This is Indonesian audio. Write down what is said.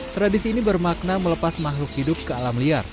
tradisi ini bermakna melepas makhluk hidup ke alam liar